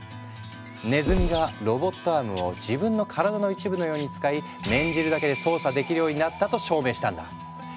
ねずみがロボットアームを自分の体の一部のように使い念じるだけで操作できるようになったと証明したんだ。